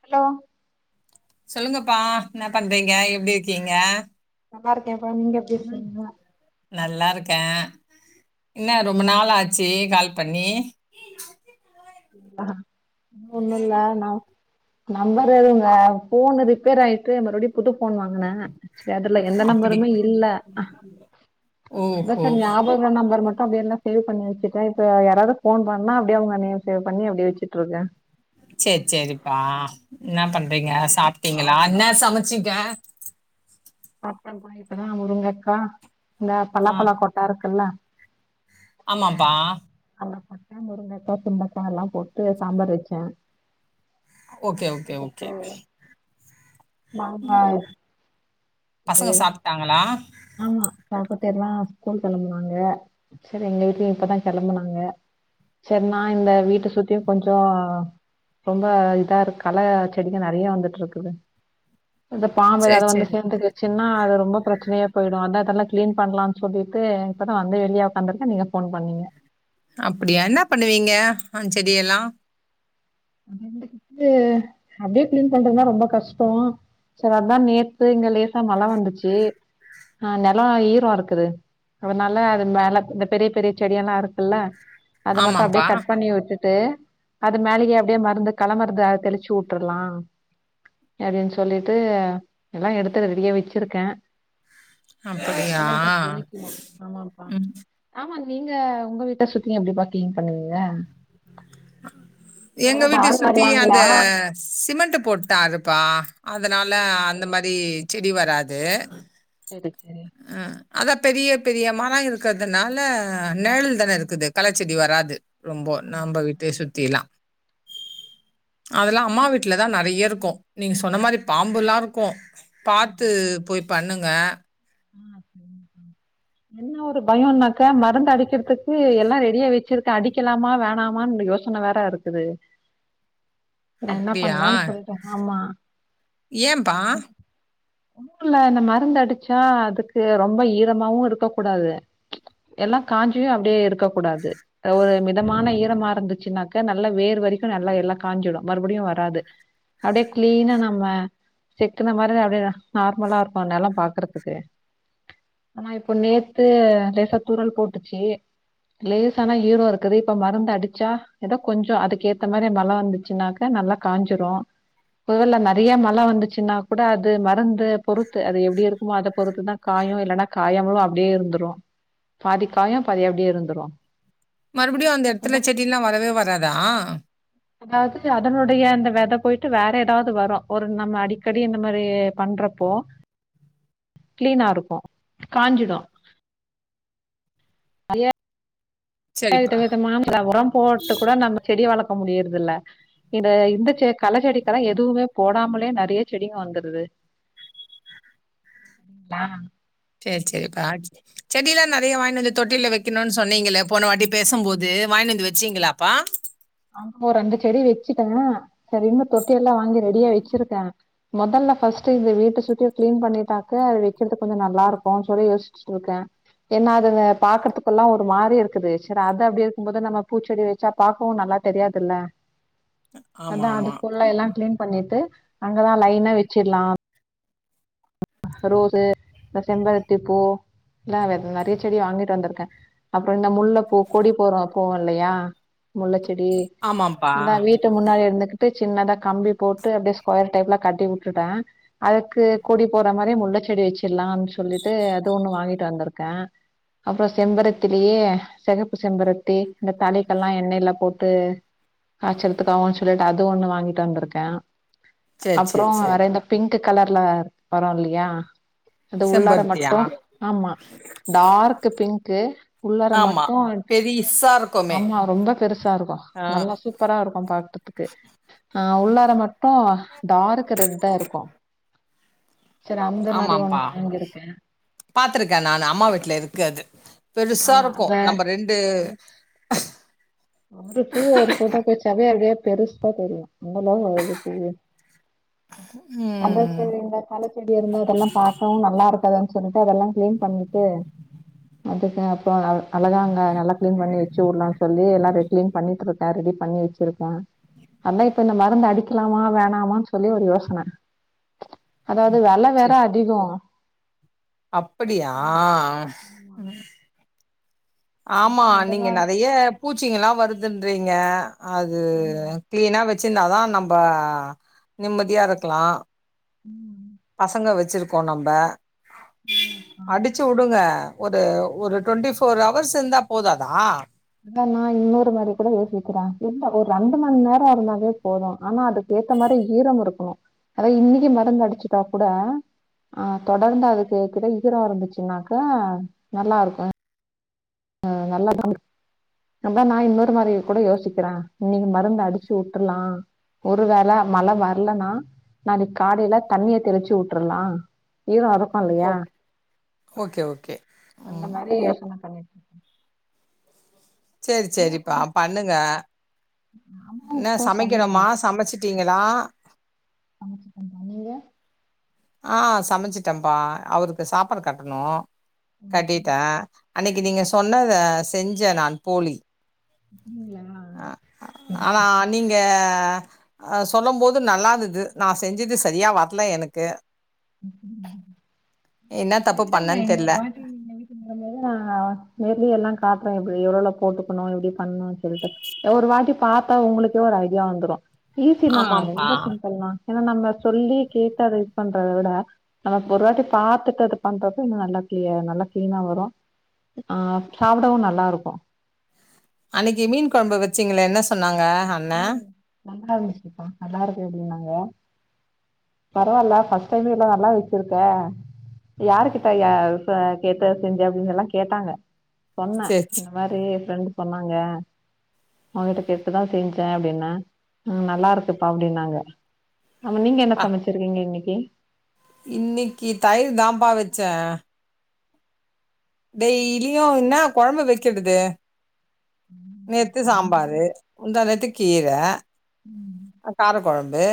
Hello சொல்லுங்கப்பா என்ன பண்றீங்க எப்டி இருக்கீங்க நல்லாருக்கேப்பா நீங்க எப்டி இருக்கீங்க நல்லா இருக்கே என்ன ரொம்ப நாள் ஆச்சு கால் பண்ணி ஆ ஹ ஒண்ணுல்ல ந நம்பர் ஏதுங்க போனு ரிப்பேராயிட்டு மறுபடியு புது போன் வாங்குனே செ அதுல எந்த அப்படி. நம்பருமே இல்ல அதா ஓஹோ! செரி ஞாபக உள்ள நம்பர் மட்டு அப்டியெல்லா சேவ் பண்ணி வச்சுட்டே இப்ப யாராவது போன் பண்ணா அப்டியே அவுங்க நேம் சேவ் பண்ணி அப்டியே வச்சுட்ருக்கே செரி செரிப்பா என்ன பண் அப்டிங்க சாப்ட்டீங்களா என்ன சமச்சீங்க பத்தம் பழ இப்பதா முருங்கக்கா இந்த ஆ. பலாப்பல கொட்ட இருக்குல்ல ஆமாப்பா அந்த கொட்ட முருங்கக்கா சுண்டக்கா எல்லா போட்டு சாம்பார் வச்சே ஓகே ஓகே ஓகே ஆமா பசங்க சாப்ட்டாங்களா ஆமா சாப்புட்டு எல்லா ஸ்கூல் கெளம்புனாங்க சரி எங்க வீட்லயு இப்பதா கெளம்புனாங்க சரி நா இந்த வீட்ட சுத்தியு கொஞ்சோ ரொம்ப இதாருக் கல செடிகள் நறைய வந்துட்ருக்குது இந்த பாம்பு சரி, ஏதாவது வந்து சரி. சேந்துக்குச்சுன்னா அது ரொம்ப ப்ரெச்சனையா போயிடு அதா இதெல்லா க்ளீன் பண்லான் சொல்லீட்டு இப்பதா வந்து வெளிய உக்காந்திருக்க நீங்க ஃபோன் பண்ணீங்க அப்புடியா என்னா பண்ணுவீங்க அந் செடியெல்லா அது வந்து அப்டியே க்ளீன் பண்றதுனா ரொம்ப கஷ்டோ சர் அதான் நேத்து இங்க லேசா மழ வந்துச்சி ஆஹ் நெலோ ஈரோ இருக்குது அதுனால அது மேல இந்த பெரிய பெரிய செடியெல்லா இருக்குல்ல அத மட்டு அப்டியே ஆமாம்ப்பா. கட் பண்ணி விட்டுட்டு அது மேலயே அப்டியே மருந்து களமருந்து அ தெளிச்சு வுட்ரலா அப்டின் சொல்லிட்டு எல்லா எடுத்து ரெடியா வெச்சிருக்க அப்படியா? அதெலாப்ப தெளிக்கணு ஆமாம்ப்பா ம். ஆமா நீங்க உங்க வீட்ட சுத்தியு எப்டி பா பா க்ளீன் பண்ணுவீங்க ஆஹ எங்க யாராவது வீட்டு ஆள் சுத்தி அந்த வருவாங்களா சிமெண்ட்ட போட்டாருப்பா அதுனால ஓ அந்த சரி மாரி செடி வராது சரி சரி அஹ் அதா பெரிய பெரிய மரோ இருக்கதுனால நெழல்தான இருக்குது களச்செடி வராது ரொம்போ ஆமா நம்ப வீட்டே சுத்திலா அதுல்லா அம்மா வீட்லதா நறையிருக்கு நீங்க சொன்ன மாரி பாம்புலா இருக்கு ஆ பாத்து போய் பண்ணுங்க ஆ சரி. என்ன ஒரு பயோனாக்க மருந்தடிக்கிறதுக்கு எல்லா ரெடியா வெச்சிருக்க அடிக்கலாமா வேணாமான்னு யோ யோசன வேற இருக்குது நா என்ன அப்டியா? பண்லானு சொல்ட்டே ஆமா ஏன்பா? ஊர்ல இந்த மருந்தடிச்சா அதுக்கு ரொம்ப ஈரமாவு இருக்க கூடாது எல்லா காஞ்சியு அப்டியே இருக்க கூடாது அ ஒரு மிதமான ஈரமா இருந்துச்சுனாக்க நல்ல வேர் வரிக்கு நல்லா எல்லா காஞ்சிடு மறுபடியு வராது அப்டியே க்ளீனா நம்ம செக்குன மாரி தா அப்டியே தா நார்மலா இருக்கு நலோ பாக்குறத் துக்கு ஆனா இப்போ நேத்து லேசா தூறல் போட்டுச்சி லேசானா ஈரோ இருக்குது இப்ப மருந்தடிச்சா ஏதோ கொஞ்சோ அதுக்கேத்த மாரி மழ வந்துச்சுன்னாக்க நல்லா காஞ்சுரு ஒருவேல நறைய மழ வந்துச்சுனா கூட அது மருந்து உ அத பொறுத்துதா காயு இல்லனா காயமலு அப்டியே இருந்துரு பாதிக்காயு பாதி அப்டியே இருந்துரு மறுபடியு அந்த எடத்துல செடிலா வரவே வராதா அதாவது அதனுடைய அந்த வெத போய்ட்டு வேற எதாவது வரு ஒரு நம்ம அடிக்கடி இந்த மாரி பண்ற போ க்ளீனாருக்கு காஞ்சிடு அலிய [unintelligible] வித சரிப்பா. விதமா [inaudible] உரம் போட்டு கூட நம்ம செடிய வளக் க்க முடியறதுல்ல இது இந்தச்செ கல செடிக்கல்லா எதுவுமே போடாமலே நறைய செடிங்க வந்துருது [inaudible] ம்மா சேரி சேரிப்பா செடிலா நறைய வாய்னந்து தொட்டில வெக்கணுன் சொன்னீங்கலே போன வாட்டி பேசம்போது வாய்னந்து வெச்சீங்களாப்பா ஆமா ரெண்டு செடி வெச்சுட்ட சரி இன்னு தொட்டியல்லா வாங்கி ரெடியா வெச்சிருக்க மொதல்ல ஃபர்ஸ்ட்டு இந்த வீட்ட சுத்தியு க்ளீன் பண்ணீட்டாக்க அத வெக்கிறது கொஞ்சொ நல்லாருக்குனு சொல்லி யோசிச்சுட்ருக்க என்னா அத பாக்குறதுக்குல்லா ஒரு மாரி இருக்குது சர் அது அப்டி இருக்கும்போது நம்ம பூச்செடி வெச்சா பாக்கவு நல்லார்க் தெரியாதுல்ல ஆமா, அதா அது ஆமா. புல்ல எல்லா க்ளீன் பண்ணிட்டு அங்கதா லைனா வெச்சிட்லா ரோசு இந்த செம்பருத்தி பூ எலா வெத நறைய செடி வாங்கிட்டு வந்துருக் க்க அப்ற இந்த முள்ள பூ கொடி போறோ போவோல்லையா முள்ளச்செடி ஆமாம்ப்பா. அதா வீட்டு முன்னாடி இருந்துக் ட்டு சின்னதா கம்பி போட்டு அப்டியே ஸ்கொயர் டைப்ல கட்டி வுட்டுட்ட அதுக்கு கொடி போற மாரி முள்ளச்செடி வெச்சில்லாம் சொல்லிட்டு அது ஒண்ணு வாங்கிட்டு வந்திருக்க அப்றோ செம்பருத்திலியே செகப்பு செம்பருத்தி இந்த தலைக்கல்லா எண்ணைல போட்டு காய்ச்சறத்துக்காகவுன் சொல்லிட்டு அது ஒண்ணு வாங்கிட்டு வந்திருக்க சரி, அப்றோ சரி, சரி. வேற இந்த பிங்க்கு கலர்ல வரு இல்லியா அது உள்ளார செம்பருத்தியா? மட்டு ஆமா டார்க்கு பிங்க்கு உள்ளாற ஆமா. மட்டு பெரிசா இருக்குமே! ஆமா ரொம்ப பெருசாருக்கு ஆ நல்லா சூப்பராருக்கும் பாக்கறதுக்கு ஆஹ் உள்ளார மட்டு டார்க்கு ரெட்டா இருக்கு ஆமாம்ப்பா வாங்கியிருக்கேன். பாத்துருக்க நானு அம்மா வீட்ல இருக்கு அது ஆமா பெருசாருக்கு அந்த நம்ப ரெண்டு அப்டியே அப்டியே பெருசா தெரியு [unintelligible] அதா ம். சரி இந்த கல செடி இருந்தல்லா பாக்கவு நல்லாருக்காதுன்னு சொல்லிட்டு அதெல்லா க்ளீன் பண்ணிட்டு அதுக்கப்ற அவ் அழகா அங்க நல்லா க்ளீன் பண்ணி வெச்சுவுட்லான் சொல்லி எல்லா கிளீன் பண்ணிட்ருக்க ரெடி பண்ணி வெச்சிருக்க அதா இப்ப இந்த மருந்து அடிக்கலாமா வேணாமான் சொல்லி ஒரு யோசன உம் அதாது வெல வேற அதிகோ அப்படியா ம் ஆமா அதா அதெல்லா நீங்க நறைய பூச்சிங்கல்லா வருதுன்றிங்க அது ஆமா க்ளீனா வெச்சிந்தாதா நம்ப நிம்மதியாருக்லா ம் பசங்க வெச்சிருக்கோ நம்ப ஆமாப்பா அடிச்சுவுடுங்க ஒரு ஒரு டொண்ட்டி ஃபோர் அவர்ஸ் இந்தா போதாதா நா இன்னொரு மாரி கூட யோசிக்ற இல்ல ஒரு ரண்டு மண்நேரோ இருந்தாவே போது ஆனா அதுக்கேத்த மாரி ஈரம் இருக்கணு அத இன்னிக்கு மருந்து அடிச்சிட்டா கூட ஆஹ் தொடர்ந்து அதுக்கு இக்கட ஈரோ இருந்துச்சுனாக்க நல்லாருக்கு ஆஹ் நல்ல தா [inaudible] அத நா இன்னொரு மாரி கூட யோசிக்கிற இன்னைக்கு மருந்து அடிச்சு உட்டர்லா ஒரு வேல மழ வர்லனா நாளைக் காலைல தண்ணிய தெளிச்சு உட்ரலா ஈரோ இருக் கூலயா ஓக் ஓகே, ஓகே. அந்த ம். மாரி யோசன பண்ணிட் சேரி நீங்க செரிப்பா கூட பண்ணுங்க அம்மாவுக்கு என்ன கூட சொல்லுங்க சமைக்கணுமா சமச்சுட்டீங்களா சமச்சுட்டங்க்கா நீங்க ஆஹ் சமச்சுட்டன்ப்பா அவருக்கு சாப்பாடு கட்டணு கட்டிட்ட அன்னைக்கி நீங்க சொன்னத செஞ்ச நான் போலி அப்டிங்களா அஹ் சரி ஆனா சரி நீங்க அ சொல்லம் போது நல்லாந்துது நா செஞ்சது சரியா வர்ல எனக்கு [inaudible] என்ன தப்பு சரிவிடுங்க பண்ணேன்னு தெர்ல. இன்னொருவாட்டி [unintelligible] நா நேர்லயே எல்லாங் காட்ற எவ்வளோ போட்டுக்கணு எப்டி பண்ணு சொல்ட்டு ஒரு வாட்டி பாத்தா உங்களுக்கே ஒரு ஐடியா வந்துரு ஈஸி தா ஆமாம்ப்பா. ரொம்ப சிம்பிள் தா ஏன்னா நம்ம சொல்லி கேட்டு அத இது பண் சொல்டா நம்ம ஒரு வாட்டி பாத்துட்டு அத பண்றது இன்னு நல்லா கிளயர் நல்லா கிளீனா வருண ஆ சாப்டவு நல்லா இருக்கு அன்னைக்கி மீன் கொழம்பு வச்சீங்களே என்ன சொன்னாங்க அண்ணா நல்லாருந்ச்சி கா நல்லா இருக்கு அப்டினாங்க பரவால்ல ஃபஸ்ட் டைமே எல்லா நல்லா வெச்சிருக்க யாரு கிட்டயா கேட்ட செஞ்ச அப்டின் எல்லா கேட்டாங்க சொன்னே சேரி சே இந்த மாரி ஃப்ரெண்டு் பண்ணாங்க அவுங்ககிட்ட இப்பதா செஞ்சே அப்டின்ன ம் நல்லா இருக்குப்பா அப்டினாங்க ஆமா நீங்க என்ன சமச்சிருக்கீங்க இன்னைக்கி பேன் இன்னைக்கி தயிர் தாப்பா வச்சே டெய்லியு என்னா கொழம்பு வெக்கிறது நேத்து சாம்பாரு முந்தா நேத்து கீர கார கொழம்பு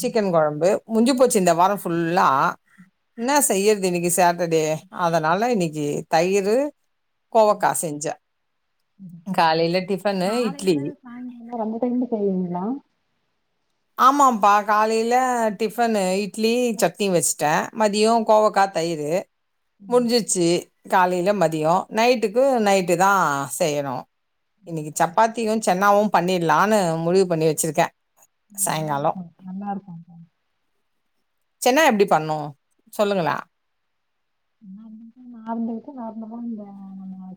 சிக்கன் கொழம்பு முஞ்சு போச்சி இந்த வாரோ ஃபுல்லா என்னா செய்யறது இன்னிக்கி சேட்டர்டே அதனால இன்னிக்கி தயிரு கோவக்கா செஞ்சே ம் காலையில டிஃபனு இட்லி நாளையில சாய்ந்றோ ரெண்டு டைம்மு செய்வீங்ளா ஆமாப்பா காலைல டிஃபனு இட்லி சட்னி வச்ட்டே மதியோ கோவக்கா தயிரு முஞ்சிர்ச்சி காலையில மதியோ நைட்டுக்கு நைட்டு தா செய்யணு இன்னைக்கு சப்பாத்தியு சென்னாவு பண்ணிட்லான்னு முடிவு பண்ணி வச்சிருக்கே சாயங்காலோ நல்லாருக்கு நல்லாருக்குகா சென்னா எப்டி பண்ணு சொல்லுங்களே நா வந்து நார்மல்க்கு நார்மலா இந்த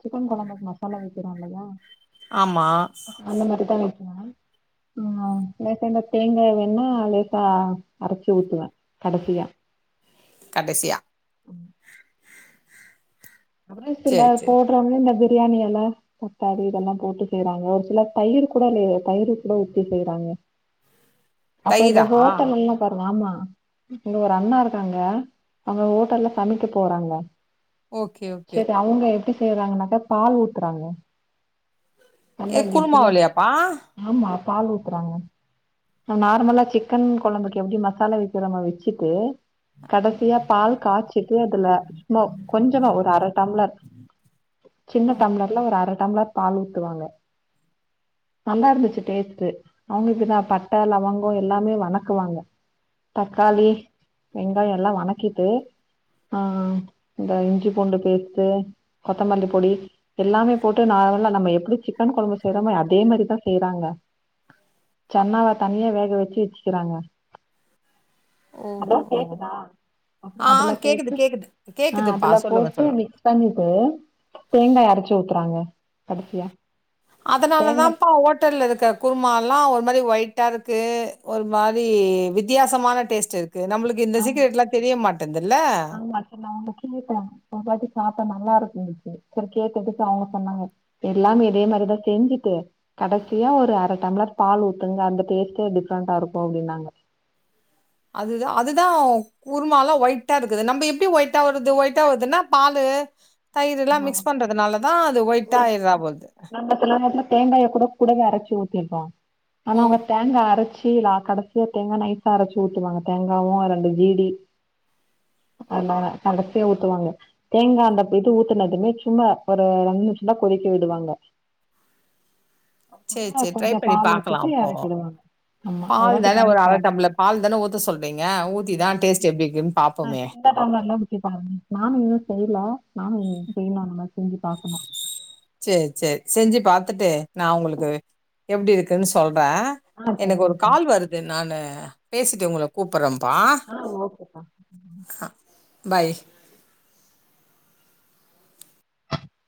சிக்கன் கொழம்பு மசாலா வெக்கிறோ இல்லையா ஆமா ஆ லேசா இந்த தேங்காய் எண்ணெ லேசா அரச்சி ஊத்துவே கடசியா கடசியா அப்டி சேரி சிலர் சேரி போட்றாங்க இந்த வெ பிரியாணி எல தக்காளி இதெல்லா போட்டு செய்றாங்க சிலர் தயிரு கூட அதுல தயிரு கூட ஊத்தி செய்றாங்க [unintelligible] அப்ப இந்த தயிரா ஹோட்டல் எல்லா பாருங்க ஆமா இங்க ஒரு அண்ணா இருக்கறாங்க அவுங்க ஹோட்டல்ல சமைக்க போறாங்க ஓகே ஓகே. செரி அவுங்க எப்டி செய்றாங்கனாக்க பால் ஊத்துறாங்க நல்லா எ கெட்டியா குருமாவுலயாப்பா? ஆமா பால் ஊத்துறாங்க நா நார்மலா சிக்கன் கொழம்புக்கு எப்டி மசாலா வெக்கிறமோ வெச்சிட்டு கடசியா பால் காச்சிட்டு அதுல சும்மா கொஞ்சமா ஒரு அர டம்ளர் சின்ன டம்ளர்ல ஒரு அர டம்ளர் பால் ஊத்துவாங்க நல்லா இருந்துச்சி டேஸ்டு அவுங்களுக்குதா பட்ட லவங்கோ எல்லாமே வணக்குவாங்க தக்காளி வெங்காயெல்லா வனக்கிட்டு ஆ இந்த இஞ்சி பூண்டு பேஸ்ட்டு கொத்தமல்லி பொடி எல்லாமே போட்டு நார்மலா நம்ப எப்டி சிக்கன் கொழம்பு செய்றமே அதே மாரிதா செய்றாங்க சென்னாவ தனியா வேக வச்சி வச்க்கிறாங்க ஹலோ ஓஹோ! கேக்குதா அப்றோ ஆ அதுல கேக்குது, போட்டு கேக்குது. ஆ கேக்குதுப்பா. அதுல போ சொல்லுங்க, டு சொல்லுங்க. மிக்ஸ் பண்ணிட்டு தேங்கா அரச்சி ஊத்துறாங்க கடசியா அதனால தாப்பா ஓட்டல்ல இருக்க குருமால்லா ஒரு மாதிரி ஒயிட்டாருக்கு ஒரு மாரி வித்தியாசமான டேஸ்ட் இருக் ஆமா ஆமா ஆக்ச்சுலா நா கேட்டே அதாவது சாப்டா நல்லாருக் செரி செரி செர் கேட்டுட்டு ஃபாலோப் பண்ணாங்க எல்லாமே இதே மாரிதா செஞ்சிட்டு கடசியா ஒரு அர டம்ளர் பால் ஊத்துங்க அந்த டேஸ்ட்டே டிப்ரெண்டா இருக்கு அப்டின்னாங்க அதுதா அதுதா குருமாலா ஒயிட்டா இருக்குது நம்ப எப்டி ஒயிட்டா வருது ஒயிட்டா வருதுன்னா பாலு ஆ, தயிருல்லா மிக்ஸ் பண்றதுனாலதா அது ஒயிட்டா ஆயிறாபோது தேங்காய கூட கூடவே அரச்சி ஊத்திர்பா ஆனா ஓ! அவங்க தேங்கா அரச்சி சிலா கடசியா தேங்கா நைசா அரைச்சு ஊட்டுவாங்க தேங்காவு ரெண்டு ஜீடி அதனால கடைசியா ஊத்துவாங்க தேங்கா அந்தப்ப இது ஊ எனதுமே சும்மா ஒரு ரெண்டு நிமிஷந்தா கொதிக்க விடுவாங்க சரி, அதா சரி. ட்ரை கொஞ்ச பண்ணி பால் பாக்கலாம் ஊத்திட்டு அப்போ. எறக்கிடுவாங்க பால் தானே ஒரு அர டம்ள பால் தானே ஊத்த சொல்றீங்க ஊத்திதா டேஸ்ட்டு எப்டி இருக்குன்னு பாப்போமே முக்கா டம்ளர்லா ஊத்தி பாருங்க நானு இன்னு செய்யல நானு இன்னு செய்னு அந்த மாரி செஞ்சு பாக்கனு செரி செரி செஞ்சு பாத்துட்டு நா உங்களுக்கு எப்டி இருக்குன்னு சொல் றே ஆ எனக்கு ஒரு சரிங்கக்கா கால் வருது நா பேசிட்டு உங்களுக்கு கூப்புறே ஆ ஓகேப்பா ம் பாய்